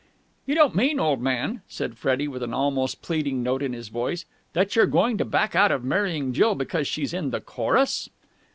"You don't mean, old man," said Freddie with an almost pleading note in his voice, "that you're going to back out of marrying Jill because she's in the chorus?"